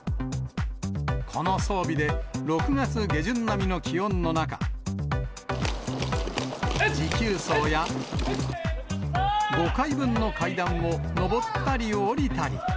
この装備で６月下旬並みの気温の中、持久走や、５階分の階段を上ったり下りたり。